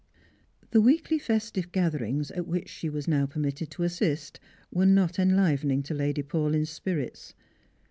The weekly festive gatherings, at which she :^as now per mitted to assist, were not enlivening to Lady Pa^ lyn's spirits.